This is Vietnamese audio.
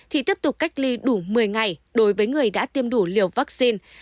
thì tiếp tục cách ly đủ một mươi ngày đối với người đã tiêm đủ liều vaccine